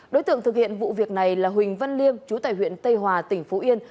đối tượng thực hiện vụ việc này là huỳnh văn liêm chú tại huyện tây hòa tỉnh phú yên